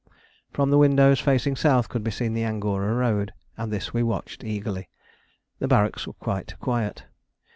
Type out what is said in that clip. From the windows facing south could be seen the Angora road, and this we watched eagerly. The barracks were quite quiet.